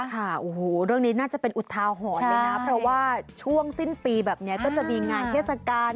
ค่ะโอ้โหเรื่องนี้น่าจะเป็นอุทาหรณ์เลยนะเพราะว่าช่วงสิ้นปีแบบนี้ก็จะมีงานเทศกาล